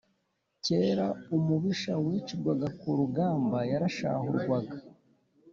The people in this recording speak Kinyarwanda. Kera umubisha wicirwaga ku rugamba yarashahurwaga